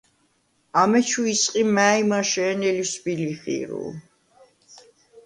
ამეჩუ ისყი მა̄̈ჲმაშე̄ნე ლისვბი-ლიხი̄რულ.